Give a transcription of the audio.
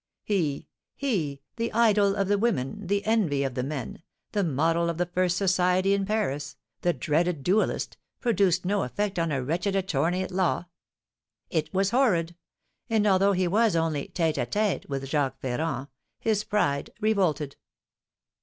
He he, the idol of the women, the envy of the men, the model of the first society in Paris, the dreaded duellist produced no effect on a wretched attorney at law! It was horrid; and, although he was only tête à tête with Jacques Ferrand, his pride revolted.